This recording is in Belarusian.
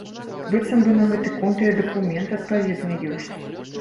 Быццам бы на гэты конт і дакумент адпаведны ёсць.